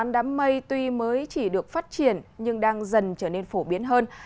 đám mây tuy mới chỉ được phát triển nhưng đang dần trở nên phổ biến hơn